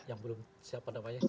yang belum siapa namanya